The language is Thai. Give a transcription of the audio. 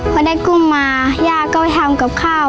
พอได้กุ้งมาย่าก็ไปทำกับข้าว